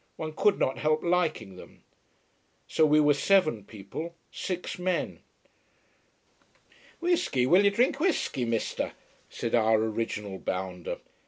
One could not help liking them. So we were seven people, six men. "Wheesky! Will you drink Wheesky, Mister?" said our original bounder.